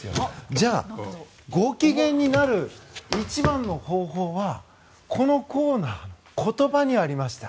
じゃあご機嫌になる一番の方法はこのコーナー言葉にありました。